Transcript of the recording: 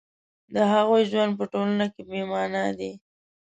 د هغوی ژوند په ټولنه کې بې مانا دی